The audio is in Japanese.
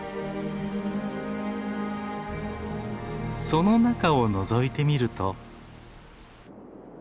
その中をのぞいてみると。